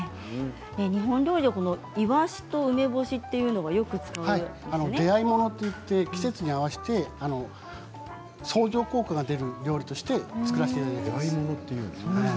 日本料理でいわしと梅干し出合いものと言って季節に合わせて相乗効果が出る料理として作らせてもらっています。